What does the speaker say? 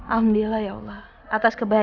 ada yang harus tahu